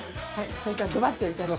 そうしたらドバッと入れちゃって。